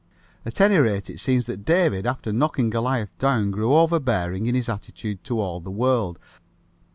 At any rate, it seems that David, after knocking Goliath down, grew overbearing in his attitude to all the world.